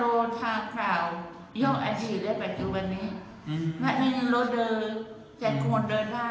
น้อชายกับน้อสาวของมัน